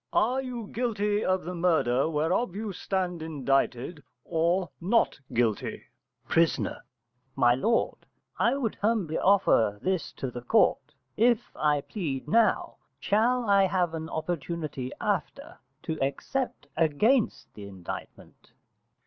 _ Are you guilty of the murder whereof you stand indicted, or not guilty? Pris. My lord, I would humbly offer this to the court. If I plead now, shall I have an opportunity after to except against the indictment?